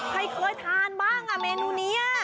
ใครเคยทานบ้างอะเมนูนี้